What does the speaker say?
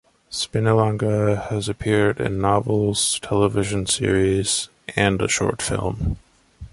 Spinalonga has appeared in novels, television series, and a short film.